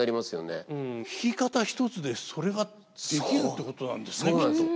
弾き方一つでそれができるってことなんですねきっと。